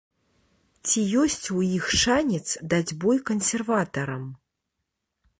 Ці ёсць у іх шанец даць бой кансерватарам?